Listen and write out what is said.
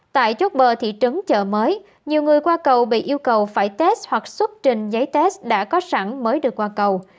tại chốt bờ thị trấn chợ mới nhiều người qua cầu bị yêu cầu phải test hoặc xuất trình giấy test đã có sẵn mới được qua cầu